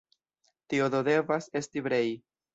Tio do devas esti Brej.